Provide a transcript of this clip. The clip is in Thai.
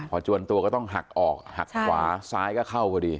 พอจวนตัวก็ต้องหักออกหักขวาซ้ายก็เข้าพอดี